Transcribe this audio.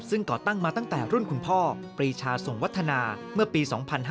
ซึ่งก่อตั้งมาตั้งแต่รุ่นคุณพ่อปรีชาส่งวัฒนาเมื่อปี๒๕๕๙